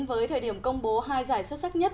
với thời điểm công bố hai giải xuất sắc nhất